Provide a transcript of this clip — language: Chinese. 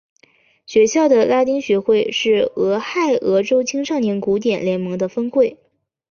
学校的拉丁学会是俄亥俄州青少年古典联盟的分会。